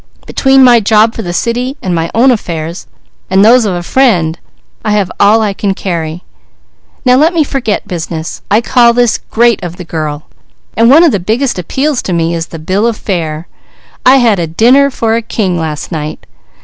Between my job for the city, and my own affairs, and those of a friend, I have all I can carry. Now let me forget business. I call this great of the girl. And one of the biggest appeals to me is the bill of fare. I had a dinner for a king last night.